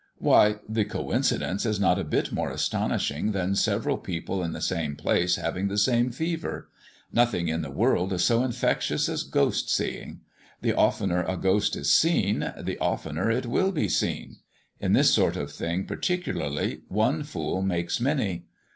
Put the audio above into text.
"Why, the coincidence is not a bit more astonishing than several people in the same place having the same fever. Nothing in the world is so infectious as ghost seeing. The oftener a ghost is seen, the oftener it will be seen. In this sort of thing particularly, one fool makes many.